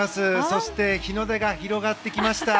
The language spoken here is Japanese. そして日の出が広がってきました。